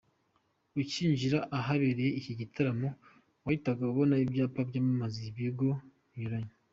Ukinjira ahabereye iki gitaramo, wahitaga ubona ibyapa byamamaza ibigo binyuranye.